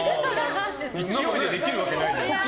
勢いでできるわけないじゃん。